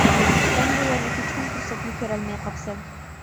سەن بۇ يەردىكى چوڭ پۇرسەتنى كۆرەلمەي قاپسەن.